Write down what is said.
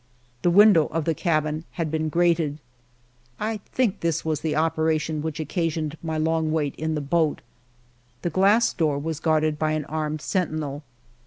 The window of the cabin had been grated. (I think it was this operation which occasioned my long wait in the boat.) The glass door was guarded by an armed sentinel.